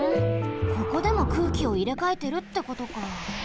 ここでも空気をいれかえてるってことか。